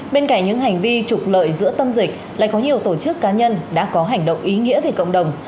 bên cạnh những hành vi trục lợi giữa tâm dịch lại có nhiều tổ chức cá nhân đã có hành động ý nghĩa vì cộng đồng